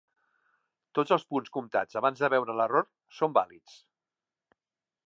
Tots els punts comptats abans de veure l'error són vàlids.